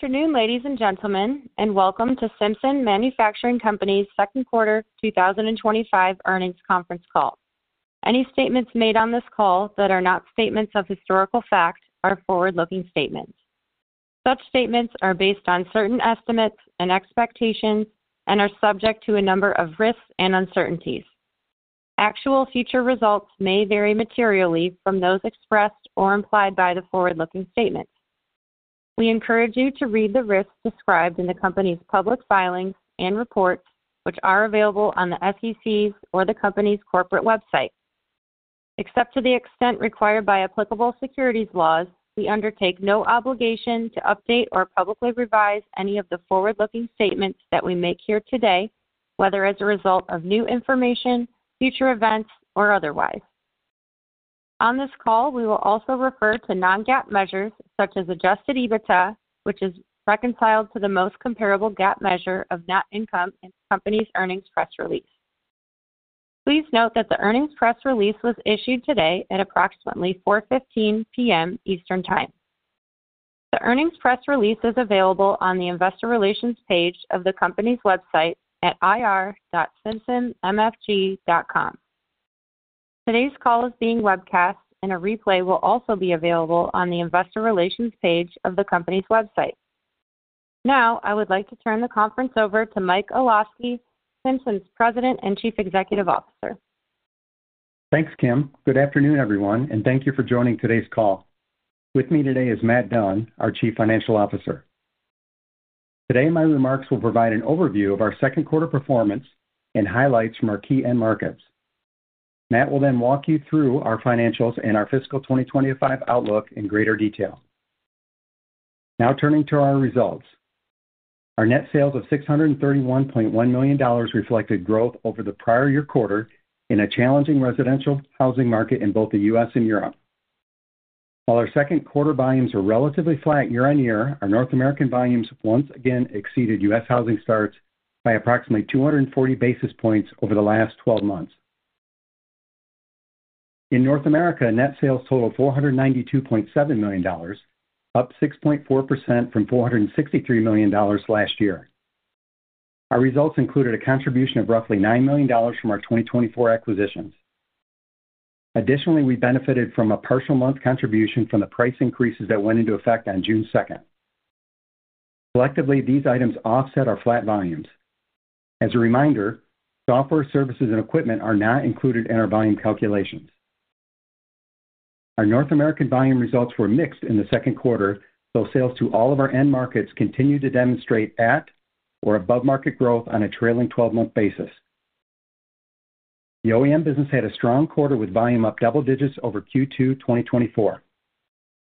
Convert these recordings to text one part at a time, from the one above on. Good afternoon ladies and gentlemen and welcome to Simpson Manufacturing Company's Second Quarter 2025 Earnings Conference Call. Any statements made on this call that are not statements of historical fact are forward-looking statements. Such statements are based on certain estimates and expectations and are subject to a number of risks and uncertainties. Actual future results may vary materially from those expressed or implied by the forward-looking statements. We encourage you to read the risks described in the Company's public filings and reports, which are available on the SEC's or the Company's corporate website. Except to the extent required by applicable securities laws, we undertake no obligation to update or publicly revise any of the forward-looking statements that we make here today, whether as a result of new information, future events or otherwise. On this call we will also refer to non-GAAP measures such as adjusted EBITDA, which is reconciled to the most comparable GAAP measure of net income in the Company's earnings press release. Please note that the earnings press release was issued today at approximately 4:15 P.M. Eastern Time. The earnings press release is available on the Investor Relations page of the company's website at ir. Today's call is being webcast and a replay will also be available on the Investor Relations page of the Company's website. Now I would like to turn the conference over to Michael Olosky, Simpson's President and Chief Executive Officer. Thanks, Kim. Good afternoon, everyone, and thank you for joining today's call. With me today is Matt Dunn, our Chief Financial Officer. Today my remarks will provide an overview of our second quarter performance and highlights from our key end markets. Matt will then walk you through our financials and our fiscal 2025 outlook in greater detail. Now turning to our results, our net sales of $631.1 million reflected growth over the prior year quarter in a challenging residential housing market in both the U.S. and Europe. While our second quarter volumes are relatively flat year-on-year, our North American volumes once again exceeded U.S. housing starts by approximately 240 basis points over the last 12 months. In North America, net sales totaled $492.7 million, up 6.4% from $463 million last year. Our results included a contribution of roughly $9 million from our 2024 acquisitions. Additionally, we benefited from a partial month contribution from the price increases that went into effect on June 2. Collectively, these items offset our flat volumes. As a reminder, software, services, and equipment are not included in our volume calculations. Our North American volume results were mixed in the second quarter, though sales to all of our end markets continue to demonstrate at or above market growth. On a trailing twelve month basis, the OEM business had a strong quarter with volume up double digits over Q2 2024.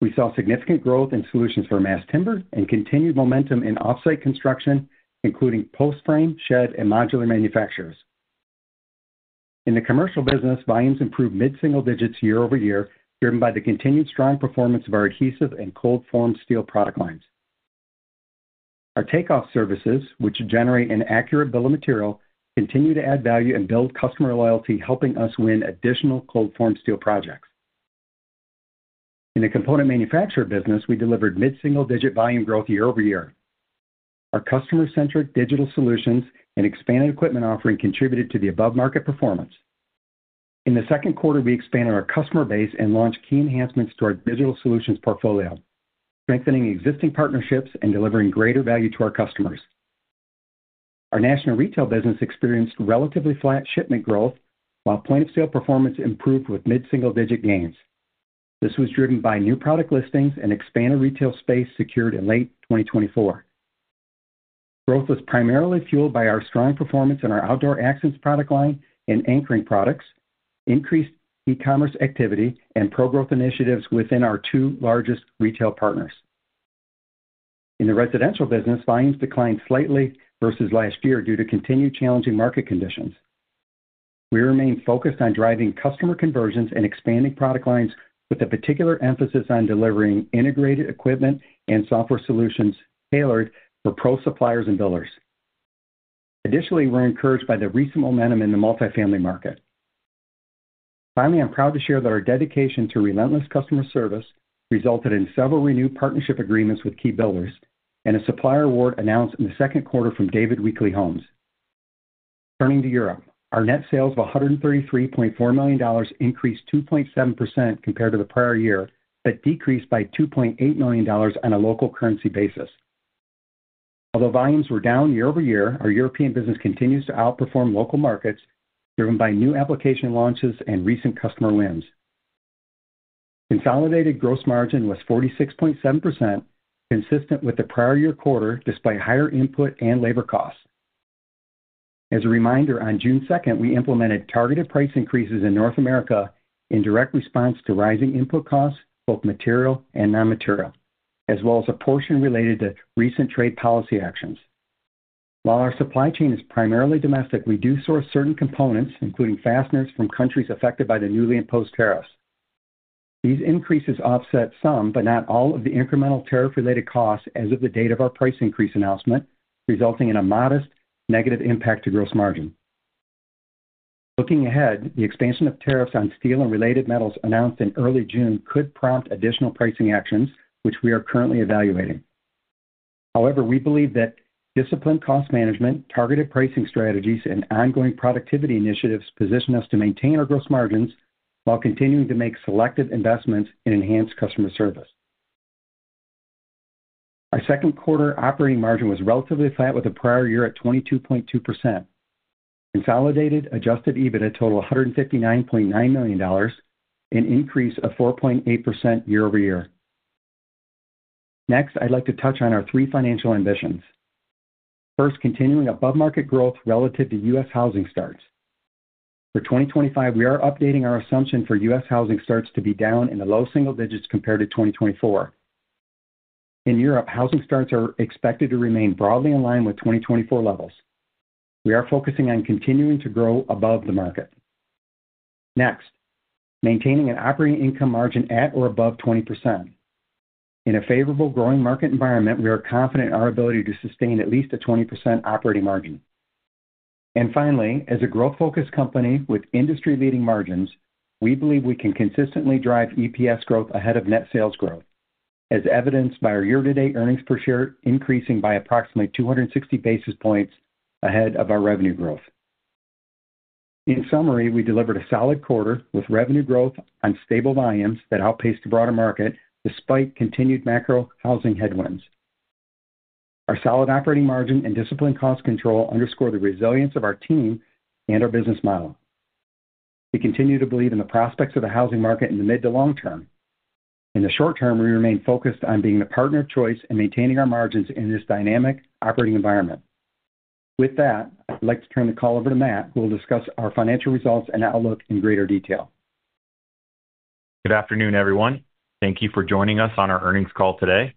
We saw significant growth in solutions for mass timber and continued momentum in offsite construction including post frame, shed, and modular manufacturers. In the commercial business, volumes improved mid single digits year-over-year, driven by the continued strong performance of our adhesives and cold-formed steel product lines. Our takeoff services, which generate an accurate bill of material, continue to add value and build customer loyalty, helping us win additional cold-formed steel projects. In the component manufacturer business, we delivered mid single digit volume growth year-over-year. Our customer-centric digital solutions and expanded equipment offering contributed to the above market performance. In the second quarter, we expanded our customer base and launched key enhancements to our digital solutions portfolio, strengthening existing partnerships and delivering greater value to our customers. Our national retail business experienced relatively flat shipment growth, while point of sale performance improved with mid single digit gains. This was driven by new product listings and expanded retail space secured in late 2024. Growth was primarily fueled by our strong performance in our outdoor accents product line and anchoring products, increased e-commerce activity, and pro growth initiatives within our two largest retail partners. In the residential business, volumes declined slightly versus last year due to continued challenging market conditions. We remain focused on driving customer conversions and expanding product lines with a particular emphasis on delivering integrated equipment and software solutions tailored for pro suppliers and builders. Additionally, we're encouraged by the recent momentum in the multifamily market. Finally, I'm proud to share that our dedication to relentless customer service resulted in several renewed partnership agreements with key builders and a supplier award announced in the second quarter from David Weekley Homes. Turning to Europe, our net sales of $133.4 million increased 2.7% compared to the prior year, but decreased by $2.8 million on a local currency basis. Although volumes were down year-over-year, our European business continues to outperform local markets driven by new application launches and recent customer wins. Consolidated gross margin was 46.7%, consistent with the prior year quarter despite higher input and labor costs. As a reminder, on June 2nd we implemented targeted price increases in North America in direct response to rising input costs, both material and non-material, as well as a portion related to recent trade policy actions. While our supply chain is primarily domestic, we do source certain components, including fasteners, from countries affected by the newly imposed tariffs. These increases offset some but not all of the incremental tariff-related costs as of the date of our price increase announcement, resulting in a modest negative impact to gross margin. Looking ahead, the expansion of tariffs on steel and related metals announced in early June could prompt additional pricing actions, which we are currently evaluating. However, we believe that disciplined cost management, targeted pricing strategies, and ongoing productivity initiatives position us to maintain our gross margins while continuing to make selective investments in enhanced customer service. Our second quarter operating margin was relatively flat with the prior year at 22.2%. Consolidated adjusted EBITDA totaled $159.9 million, an increase of 4.8% year-over-year. Next, I'd like to touch on our three financial ambitions. First, continuing above market growth relative to U.S. housing starts for 2025. We are updating our assumption for U.S. housing starts to be down in the low single digits compared to 2024. In Europe, housing starts are expected to remain broadly in line with 2024 levels. We are focusing on continuing to grow above the market. Next, maintaining an operating income margin at or above 20% in a favorable growing market environment, we are confident in our ability to sustain at least a 20% operating margin. Finally, as a growth focused company with industry leading margins, we believe we can consistently drive EPS growth ahead of net sales growth as evidenced by our year to date earnings per share increasing by approximately 260 basis points ahead of our revenue growth. In summary, we delivered a solid quarter with revenue growth on stable volumes that outpaced the broader market despite continued macro housing headwinds. Our solid operating margin and disciplined cost control underscore the resilience of our team and our business model. We continue to believe in the prospects of the housing market in the mid to long term. In the short term, we remain focused on being the partner of choice and maintaining our margins in this dynamic operational operating environment. With that, I'd like to turn the call over to Matt who will discuss our financial results and outlook in greater detail. Good afternoon everyone. Thank you for joining us on our earnings call today.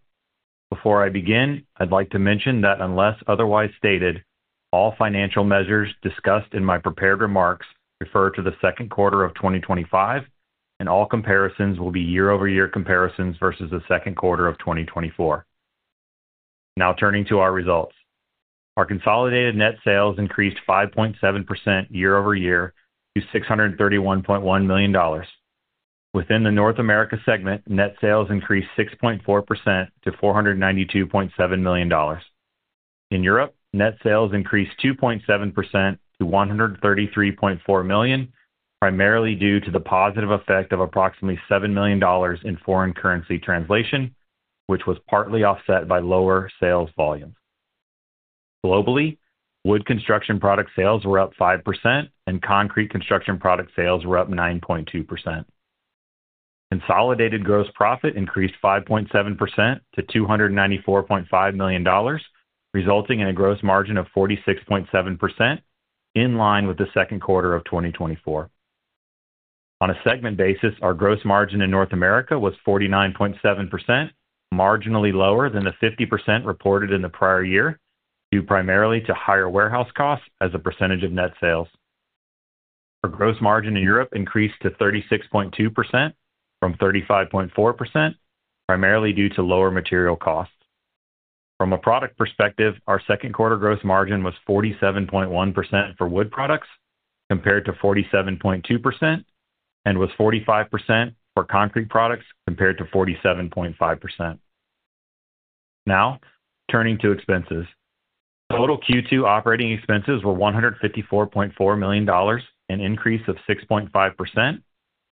Before I begin, I'd like to mention that unless otherwise stated, all financial measures discussed in my prepared remarks refer to the second quarter of 2025 and all comparisons will be year over year comparisons versus the second quarter of 2024. Now turning to our results, our consolidated net sales increased 5.7% year-over-year to $631.1 million. Within the North America segment, net sales increased 6.4% to $492.7 million. In Europe, net sales increased 2.7% to $133.4 million, primarily due to the positive effect of approximately $7 million in foreign currency translation, which was partly offset by lower sales volume. Globally, wood construction product sales were up 5% and concrete construction product sales were up 9.2%. Consolidated gross profit increased 5.7% to $294.5 million, resulting in a gross margin of 46.7% in line with the second quarter of 2024. On a segment basis, our gross margin in North America was 49.7%, marginally lower than the 50% reported in the prior year due primarily to higher warehouse costs. As a percentage of net sales, our gross margin in Europe increased to 36.2% from 35.4%, primarily due to lower material costs. From a product perspective, our second quarter gross margin was 47.1% for wood products compared to 47.2% and was 45% for concrete products compared to 47.5%. Now turning to expenses, total Q2 operating expenses were $154.4 million, an increase of 6.5%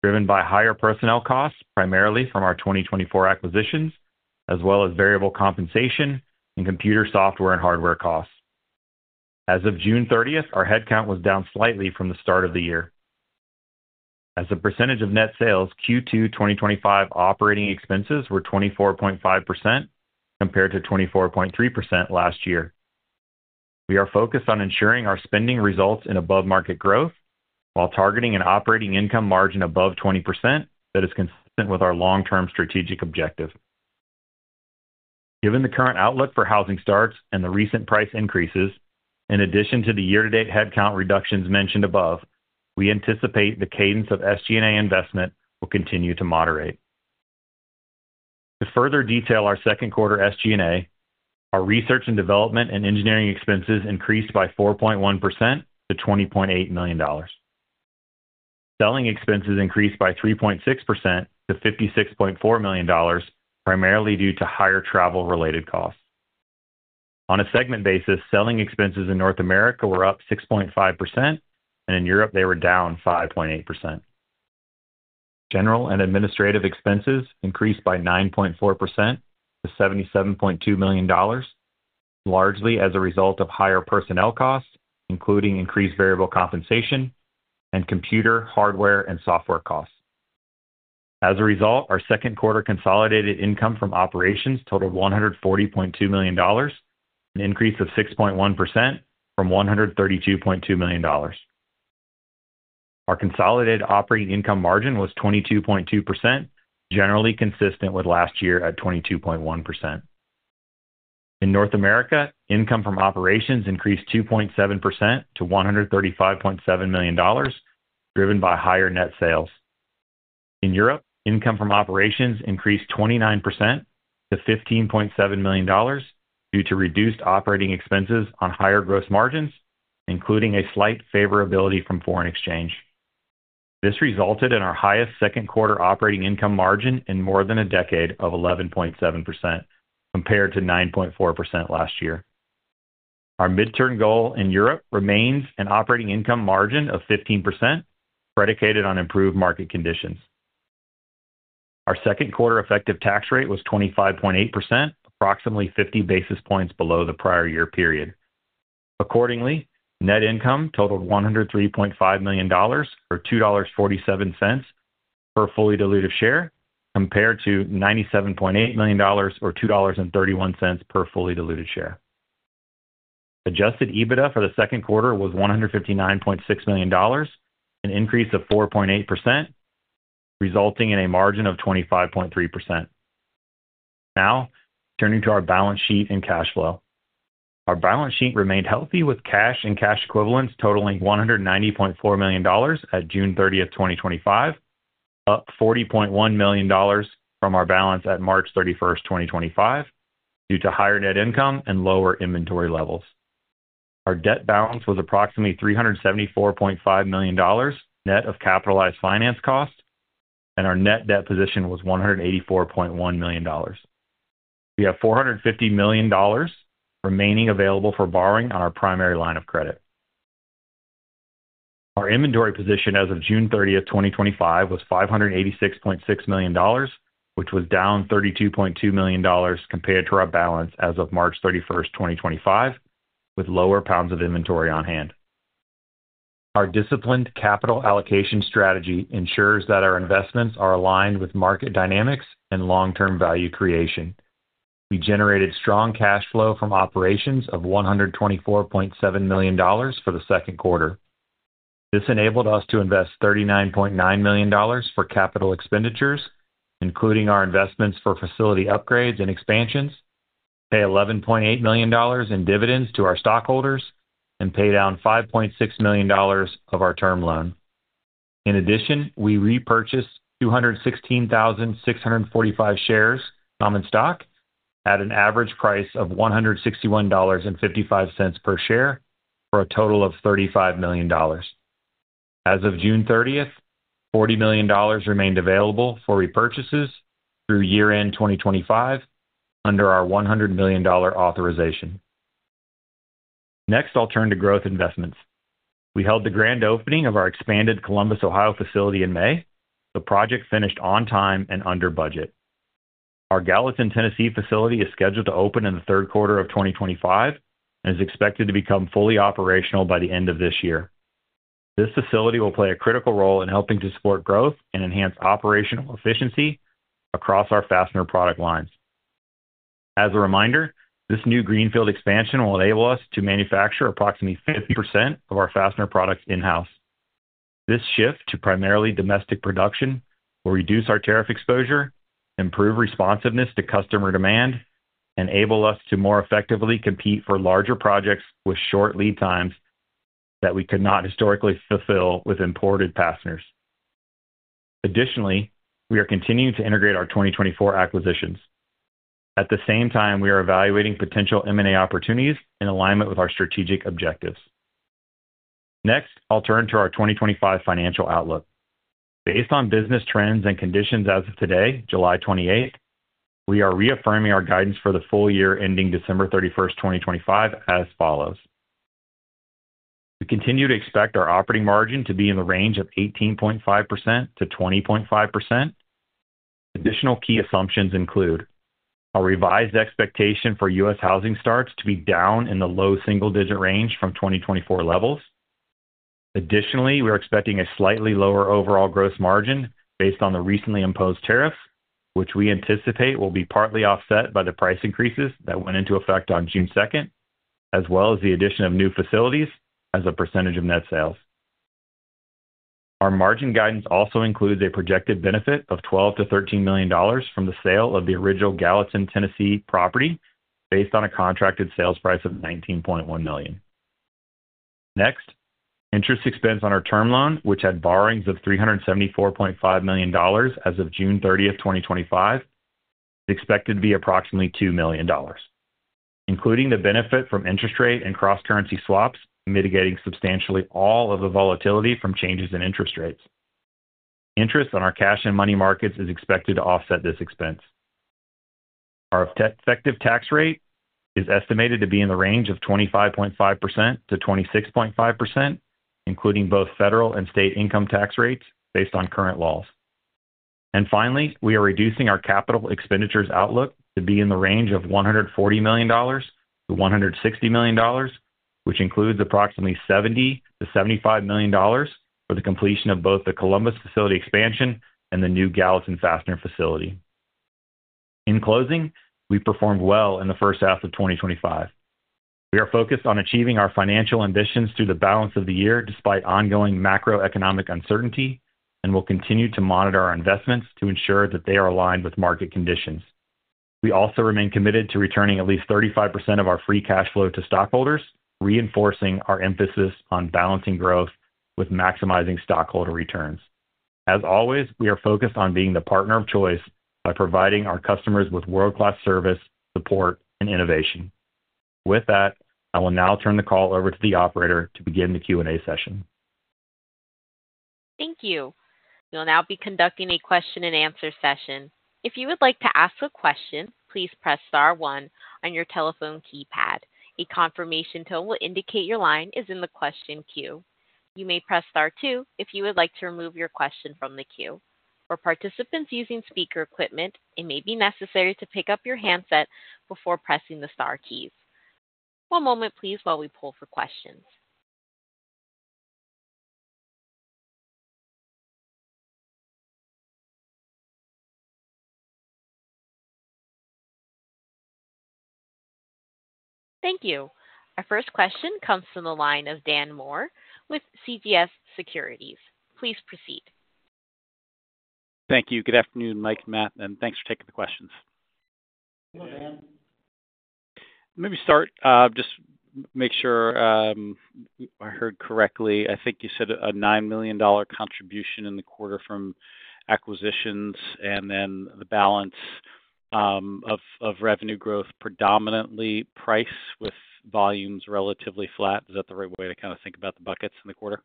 driven by higher personnel costs primarily from our 2024 acquisitions, as well as variable compensation and computer software and hardware costs. As of June 30th, our headcount was down slightly from the start of the year. As a percentage of net sales, Q2 2025 operating expenses were 24.5% compared to 24.3% last year. We are focused on ensuring our spending results in above market growth while targeting an operating income margin above 20% that is consistent with our long term strategic objective. Given the current outlook for housing starts and the recent price increases in addition to the year to date headcount reductions mentioned above, we anticipate the cadence of SG&A investment will continue to moderate. To further detail our second quarter SG&A, our research and development and engineering expenses increased by 4.1% to $20.8 million. Selling expenses increased by 3.6% to $56.4 million primarily due to higher travel related costs. On a segment basis, selling expenses in North America were up 6.5% and in Europe they were down 5.8%. General and administrative expenses increased by 9.4% to $77.2 million, largely as a result of higher personnel costs including increased variable compensation and computer hardware and software costs. As a result, our second quarter consolidated income from operations totaled $140.2 million, an increase of 6.1% from $132.2 million. Our consolidated operating income margin was 22.2%, generally consistent with last year at 22.1%. In North America, income from operations increased 2.7% to $135.7 million driven by higher net sales. In Europe, income from operations increased 29% to $15.7 million due to reduced operating expenses on higher gross margins including a slight favorability from foreign exchange. This resulted in our highest second quarter operating income margin in more than a decade of 11.7% compared to 9.4% last year. Our midterm goal in Europe remains an operating income margin of 15% predicated on improved market conditions. Our second quarter effective tax rate was 25.8%, approximately 50 basis points below the prior year period. Accordingly, net income totaled $103.5 million or $2.47 per fully diluted share, compared to $97.8 million or $2.31 per fully diluted share. Adjusted EBITDA for the second quarter was $159.6 million, an increase of 4.8%, resulting in a margin of 25.3%. Now turning to our balance sheet and cash flow. Our balance sheet remained healthy with cash and cash equivalents totaling $190.4 million at June 30th, 2025, up $40.1 million from our balance at March 31st, 2025. Due to higher net income and lower inventory levels, our debt balance was approximately $374.5 million net of capitalized finance cost and our net debt position was $184.1 million. We have $450 million remaining available for borrowing on our primary line of credit. Our inventory position as of June 30th, 2025 was $586.6 million, which was down $32.2 million compared to our balance as of March 31st, 2025. With lower pounds of inventory on hand, our disciplined capital allocation strategy ensures that our investments are aligned with market dynamics and long term value creation. We generated strong cash flow from operations of $124.7 million for the second quarter. This enabled us to invest $39.9 million for capital expenditures, including our investments for facility upgrades and expansions, pay $11.8 million in dividends to our stockholders, and pay down $5.6 million of our term loan. In addition, we repurchased 216,645 shares common stock at an average price of $161.55 per share for a total of $35 million as of June 30th. $40 million remained available for repurchases through year end 2025 under our $100 million authorization. Next, I'll turn to growth investments. We held the grand opening of our expanded Columbus, Ohio facility in May. The project finished on time and under budget. Our Gallatin, Tennessee facility is scheduled to open in the third quarter of 2025 and is expected to become fully operational by the end of this year. This facility will play a critical role in helping to support growth and enhance operational efficiency across our fastener product lines. As a reminder, this new greenfield expansion will enable us to manufacture approximately 50% of our fastener products in house. This shift to primarily domestic production will reduce our tariff exposure, improve responsiveness to customer demand, and enable us to more effectively compete for larger projects with short lead times that we could not historically fulfill with imported fasteners. Additionally, we are continuing to integrate our 2024 acquisitions. At the same time, we are evaluating potential M&A opportunities in alignment with our strategic objectives. Next, I'll turn to our 2025 financial outlook. Based on business trends and conditions as of today, July 28, we are reaffirming our guidance for the full year ending December 31st, 2025 as follows. We continue to expect our operating margin to be in the range of 18.5%-20.5%. Additional key assumptions include a revised expectation for U.S. housing starts to be down in the low single digit range from 2024 levels. Additionally, we are expecting a slightly lower overall gross margin based on the recently imposed tariffs, which we anticipate will be partly offset by the price increases that went into effect on June 2nd as well as the addition of new facilities as a percentage of net sales. Our margin guidance also includes a projected benefit of $12 million-$13 million from the sale of the original Gallatin, Tennessee property based on a contracted sales price of $19.1 million. Next, interest expense on our term loan, which had borrowings of $374.5 million as of June 30th, 2025, is expected to be approximately $2 million, including the benefit from interest rate and cross currency swaps, mitigating substantially all of the volatility from changes in interest rates. Interest on our cash and money markets is expected to offset this expense. Our effective tax rate is estimated to be in the range of 25.5%-26.5%, including both federal and state income tax rates based on current laws. Finally, we are reducing our capital expenditures outlook to be in the range of $140 million-$160 million, which includes approximately $70 million-$75 million for the completion of both the Columbus facility expansion and the new Gallatin fastener facility. In closing, we performed well in the first half of 2025. We are focused on achieving our financial ambitions through the balance of the year despite ongoing macroeconomic uncertainty. We will continue to monitor our investments to ensure that they are aligned with market conditions. We also remain committed to returning at least 35% of our free cash flow to stockholders, reinforcing our emphasis on balancing growth with maximizing stockholder returns. As always, we are focused on being the partner of choice by providing our customers with world class service, support, and innovation. With that, I will now turn the call over to the operator to begin the Q&A session. Thank you. We will now be conducting a question and answer session. If you would like to ask a question, please press star one on your telephone keypad. A confirmation tone will indicate your line is in the question queue. You may press star two if you would like to remove your question from the queue. For participants using speaker equipment, it may be necessary to pick up your handset before pressing the star keys. One moment, please, while we poll for questions. Thank you. Our first question comes from the line of Dan Moore with CJS Securities. Please proceed. Thank you. Good afternoon, Mike, Matt, and thanks for taking the questions. Maybe start, just make sure I heard correctly. I think you said a $9 million contribution in the quarter from acquisitions, and then the balance of revenue growth, predominantly price with volumes relatively flat. Is that the right way to kind of think about the buckets in the quarter?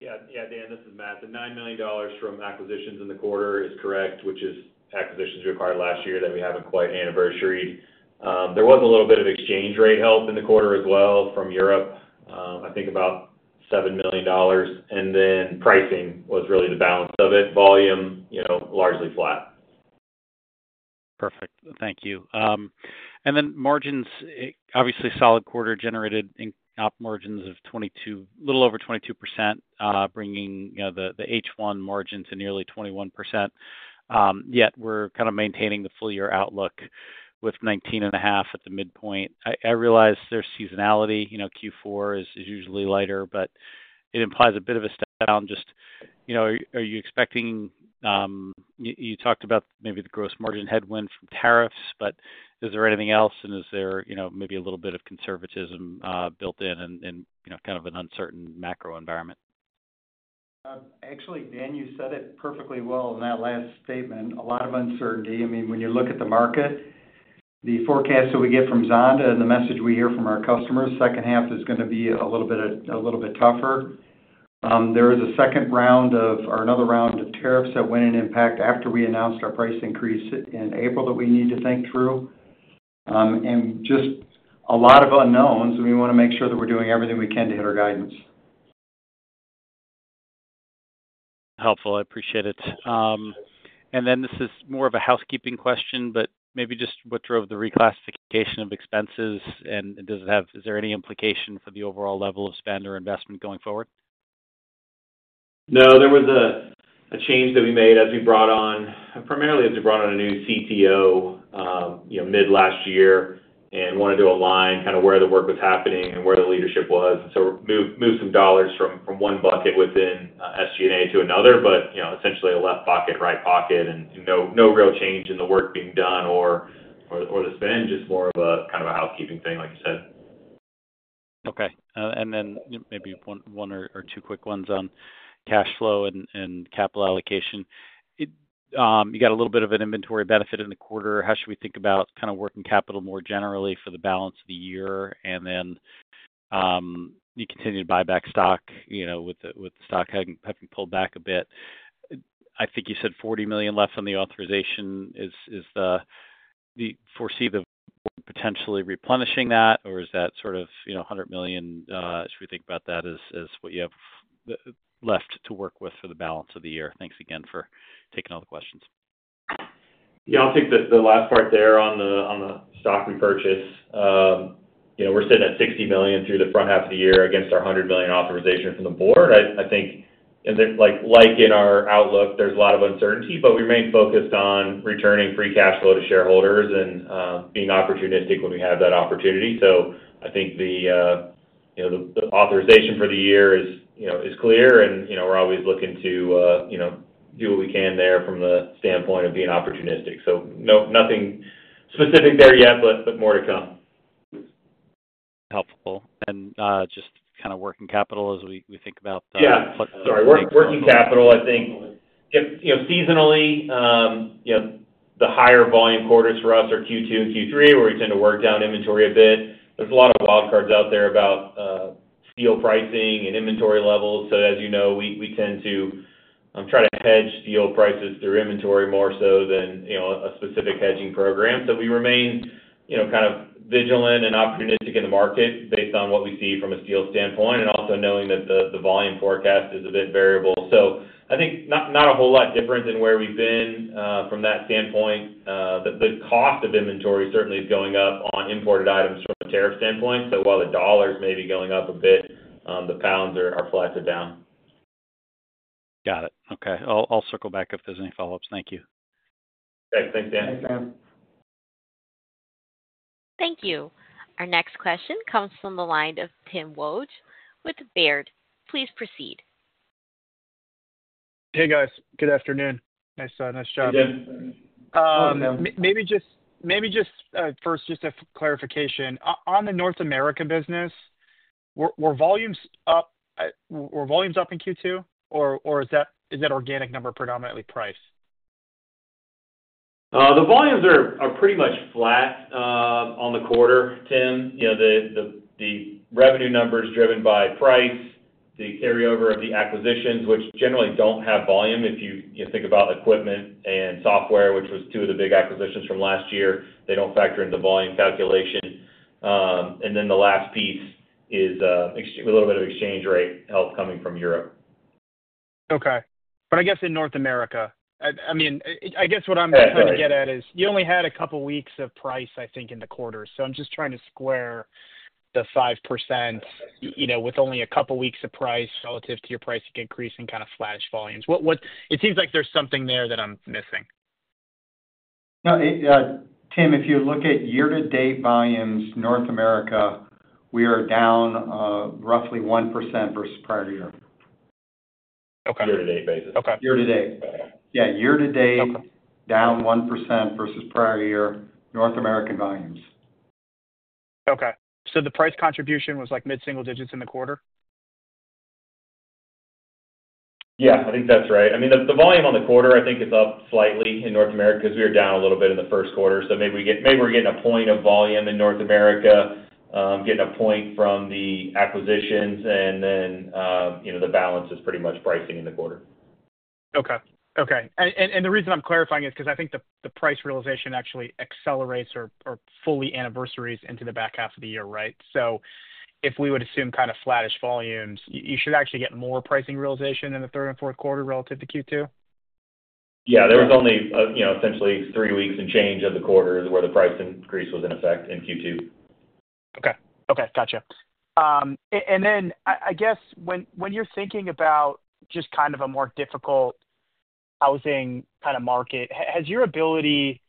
Yeah, yeah. Dan, this is Matt. The $9 million from acquisitions in the quarter is correct, which is acquisitions we acquired last year that we haven't quite anniversary. There was a little bit of exchange rate help in the quarter as well from Europe, I think about $7 million. Pricing was really the balance of it. Volume, you know, largely flat. Perfect, thank you. Margins, obviously solid quarter, generated margins of 22%, little over 22%, bringing the H1 margin to nearly 21%. Yet we're kind of maintaining the full year outlook with 19.5% at the midpoint. I realize there's seasonality. Q4 is usually lighter, but it implies a bit of a step down. Are you expecting, you talked about maybe the gross margin headwind from tariffs, but is there anything else? Is there maybe a little bit of conservatism built in and kind of an uncertain macro environment? Actually, Dan, you said it perfectly well in that last statement. A lot of uncertainty. I mean, when you look at the market, the forecast that we get from Zonda and the message we hear from our customers, the second half is going to be a little bit tougher. There is a second round of or another round of tariffs that went in impact after we announced our price increase in April that we need to think through, and just a lot of unknowns, and we want to make sure that we're doing everything we can to hit our guidance. Helpful, I appreciate it. This is more of a housekeeping question, but maybe just what drove the reclassification of expenses, and does it have any implication for the overall level of spend or investment going forward? No, there was a change that we made as we brought on, primarily as we brought on, a new CTO mid last year and wanted to align kind of where the work was happening and where the leadership was. We moved some dollars from one bucket within SG&A to another, but essentially a left pocket, right pocket. No real change in the work being done or the spend. Just more of a kind of a housekeeping thing like you said. Okay. Maybe one or two quick ones on cash flow and capital allocation. You got a little bit of an. Inventory benefit in the quarter. How should we think about kind of working capital more generally for the balance of the year? You continue to buy back stock with the stock having pulled back a bit. I think you said $40 million left on the authorization. Do you foresee potentially replenishing that, or is that sort of $100 million? Should we think about that as what you have left to work with for the balance of the year? Thanks again for taking all the questions. I'll take the last part there. On the stock repurchase, we're sitting at $60 million through the front half of the year against our $100 million authorization from the board. I think like in our outlook, there's a lot of uncertainty, but we remain focused on returning free cash flow to shareholders and being opportunistic when we have that opportunity. I think the authorization for the year is clear and we're always looking to do what we can there from the standpoint of being opportunistic. Nothing specific there yet, but more. To come helpful and just kind of working capital as we think about working capital. I think seasonally the higher volume quarters for us are Q2 and Q3, where we tend to work down inventory a bit. There are a lot of wild cards out there about steel pricing and inventory levels. As you know, we tend to try to hedge steel prices through inventory more so than a specific hedging program. We remain kind of vigilant and opportunistic in the market based on what we see from a steel standpoint and also knowing that the volume forecast is a bit variable. I think not a whole lot different than where we've been from that standpoint. The cost of inventory certainly is going up on imported items from a tariff standpoint. While the dollar is maybe going up a bit, little bit, the pounds are. Flats are down. Got it. Okay, I'll circle back if there's any follow ups. Thank you. Thanks, Dan. Thank you. Our next question comes from the line of Tim Wojs with Baird. Please proceed. Hey, guys. Good afternoon. Nice. Nice job. Maybe just first, a clarification on the North America business. Were volumes up in Q2 or is that organic number predominantly price? The volumes are pretty much flat on the quarter, Tim. The revenue numbers driven by price, the carryover of the acquisitions, which generally don't have volume. If you think about equipment and software, which was two of the big acquisitions from last year, they don't factor in the volume calculation. The last piece is a little bit of exchange rate help coming from Europe. Okay. In North America, what I'm trying to get at is you only had a couple weeks of price, I think in the quarter. I'm just trying to square the 5% with only a couple weeks of price relative to your price increase in kind of flash volumes. What? It seems like there's something there that I'm missing. Tim. If you look at year to date volumes, North America, we are down roughly. 1% versus prior year-to-date basis. Year to date? Yeah. Year to date down 1% versus prior year North American volumes. Okay, so the price contribution was like mid single digits in the quarter. Yes, I think that's right. I mean, the volume on the quarter, I think, is up slightly in North America because we were down a little bit in the first quarter. Maybe we get. Maybe we're getting a point of volume in North America, getting a point from the acquisitions, and then the balance is pretty much pricing in the quarter. Okay. The reason I'm clarifying is because I think the price realization actually accelerates or fully anniversaries into the back half of the year. Right. If we would assume kind of flattish volumes, you should actually get more pricing realization in the third and fourth quarter relative to Q2. Yeah, there was only, you know, essentially three weeks and change of the quarter where the price increase was in effect in Q2. Okay, gotcha. When you're thinking about just kind of a more difficult housing kind of market, has your ability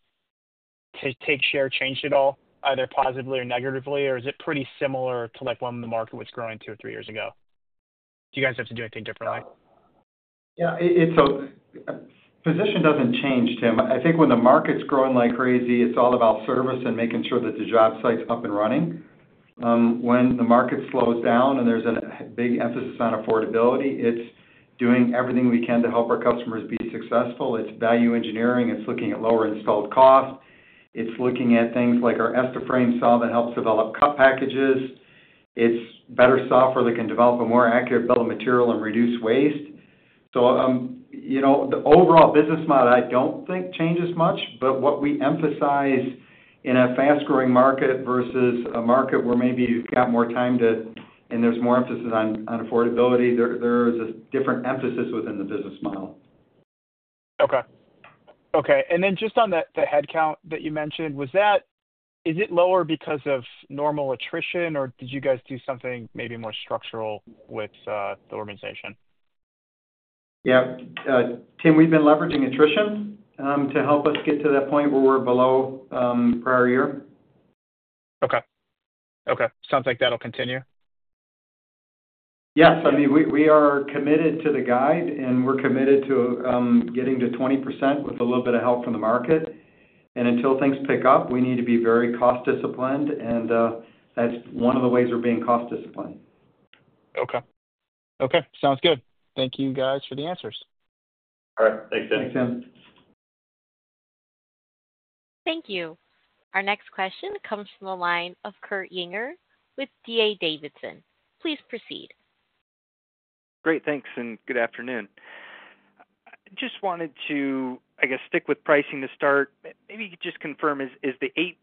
to take share changed at all, either positively or negatively? Is it pretty similar to like when the market was growing two or three years ago? Do you guys have to do anything differently? Yeah, position doesn't change, Tim. I think when the market's growing like crazy, it's all about service and making sure that the job site's up and running when the market slows down. There's a big emphasis on affordability. It's doing everything we can to help our customers be successful. It's value engineering. It's looking at lower installed cost. It's looking at things like our EstiFrame saw that helps develop cut packages. It's better software that can develop a more accurate bill of material and reduce waste. The overall business model I don't think changes much, but what we emphasize in a fast-growing market versus a market where maybe you've got more time and there's more emphasis on affordability, there is a different emphasis within the business model. Okay. Okay. On that, the headcount that you mentioned, is it lower because of normal attrition or did you guys do something maybe more structural with the organization? Yeah, Tim, we've been leveraging attrition to help us get to that point where we're below prior year. Okay. Okay, sounds like that'll continue. Yes, I mean, we are committed to the guide, and we're committed to getting to 20% with a little bit of help from the market. Until things pick up, we need to be very cost disciplined. That's one of the ways we're being cost disciplined. Okay. Okay, sounds good. Thank you guys for the answers. All right, thanks. Thank you. Our next question comes from the line of Kurt Yinger with D.A. Davidson. Please proceed. Great. Thanks. Good afternoon. I just wanted to, I guess, stick with pricing to start. Maybe you could just confirm, is the 8%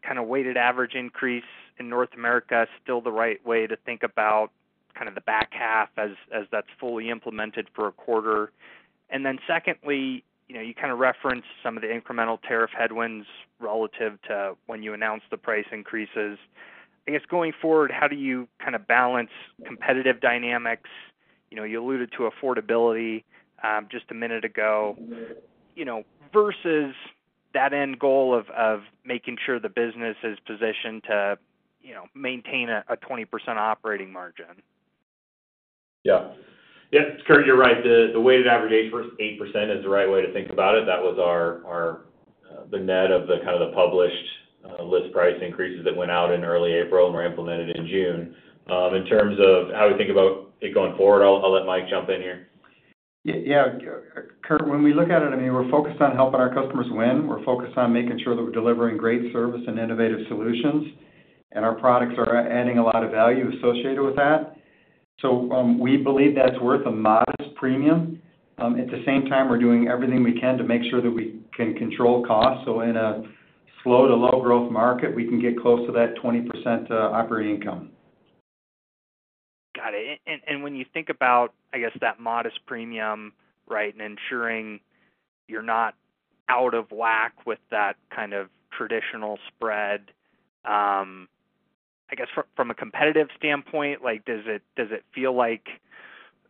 kind of weighted average increase in North America still the right way to think about the back half as that's fully implemented for a quarter? Secondly, you know, you kind of referenced some of the incremental tariff-related headwinds relative to when you announced the price increases. I guess, going forward, how do you kind of balance competitive dynamics? You know, you alluded to affordability just a minute ago, versus that end goal of making sure the business is positioned to maintain a 20% operating margin. Yeah, Kurt, you're right. The weighted average 8% is the right way to think about it. That was our. The net of the kind of the published list price increases that went out in early April and were implemented in June. In terms of how we think about it going forward, I'll let Mike jump in here. Yeah, Kurt, when we look at it, I mean, we're focused on helping our customers win. We're focused on making sure that we're delivering great service and innovative solutions, and our products are adding a lot of value associated with that. We believe that's worth a modest premium. At the same time, we're doing everything we can to make sure that we can control costs. In a slow to low growth market, we can get close to that 20% operating income. Got it. When you think about, I guess, that modest premium, right, and ensuring you're not out of whack with that kind of traditional spread. I. From a competitive standpoint, does it feel like,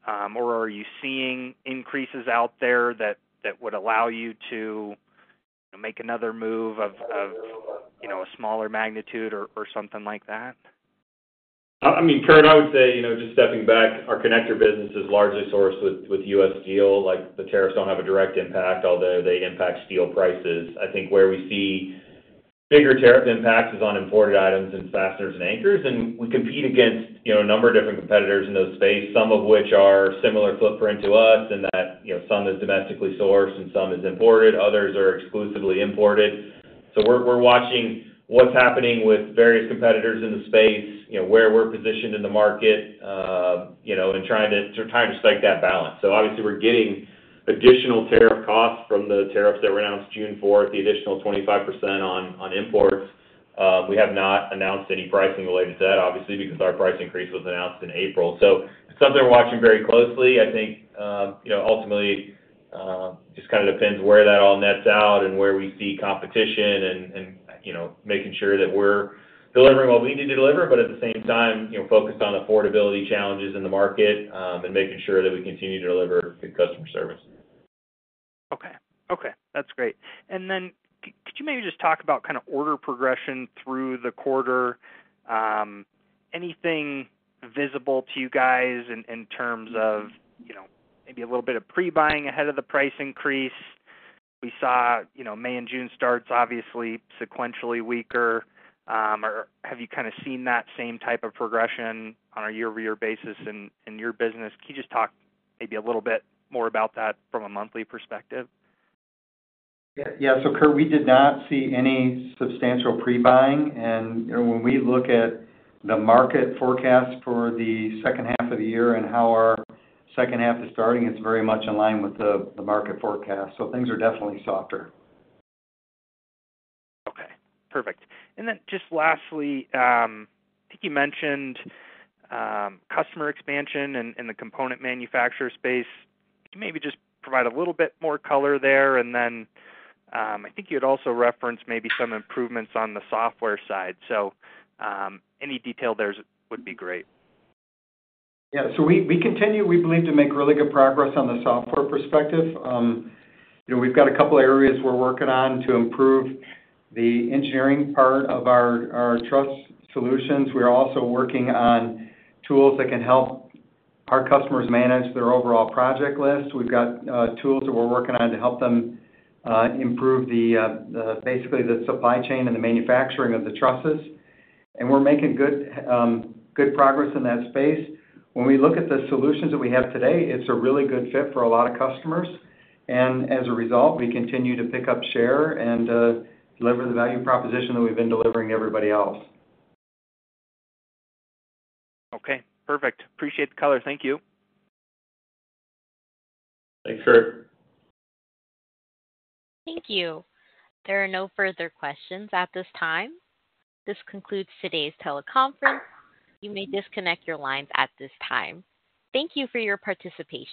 or are you seeing increases out there that would allow you to make another move of a smaller magnitude or something like that? I mean, Kurt, I would say, you know, just stepping back, our connector business is largely sourced with U.S. steel. The tariffs don't have a direct impact, although they impact steel prices. I think where we see bigger tariff impacts is on imported items and fasteners and anchors, and we compete against, you know, a number of different competitors in those spaces, some of which are similar footprint to us and that, you know, some is domestically sourced and some is imported, others are exclusively imported. We are watching what's happening with various competitors in the space where we're positioned in the market and trying to strike that balance. Obviously we're getting additional tariff costs from the tariffs that were announced June 4, the additional 25% on imports. We have not announced any pricing related to that, obviously because our price increase was announced in April. This is something we're watching very closely. I think ultimately it just kind of depends where that all nets out and where we see competition and making sure that we're delivering what we need to deliver, but at the same time focused on affordability challenges in the market and making sure that we continue to deliver good customer service. Okay, that's great. Could you maybe just talk about kind of order progression through the quarter? Anything visible to you guys in terms of, you know, maybe a little bit of pre buying ahead of the price increase? We saw, you know, May and June starts obviously sequentially weaker. Have you kind of seen that same type of progression on a year over year basis? In your business, can you just talk maybe a little bit more about that from a monthly perspective? Yeah. Kurt, we did not see any substantial pre buying. When we look at the market forecast for the second half of the year and how our second half is starting, it's very much in line with the market forecast. Things are definitely softer. Okay, perfect. Lastly, I think you mentioned customer expansion in the component manufacturing solutions space. Maybe just provide a little bit more color there. I think you had also referenced maybe some improvements on the software side. Any detail there would be great. Yeah. We continue, we believe, to make really good progress on the software perspective. We've got a couple areas we're working on to improve the engineering part of our truss solutions. We're also working on tools that can help our customers manage their overall project list. We've got tools that we're working on to help them improve basically the supply chain and the manufacturing of the trusses. We're making good progress in that space. When we look at the solutions that we have today, it's a really good fit for a lot of customers. As a result, we continue to pick up share and deliver the value proposition that we've been delivering everybody else. Okay, perfect. Appreciate the color. Thank you. Thanks, Kurt. Thank you. There are no further questions at this time. This concludes today's teleconference. You may disconnect your lines at this time. Thank you for your participation.